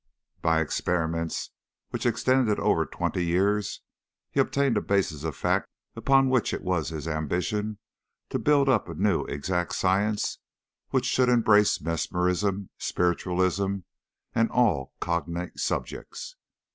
By experiments which extended over twenty years, he obtained a basis of facts upon which it was his ambition to build up a new exact science which should embrace mesmerism, spiritualism, and all cognate subjects.